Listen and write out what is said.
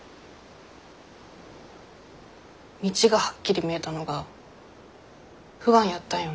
道がはっきり見えたのが不安やったんよね。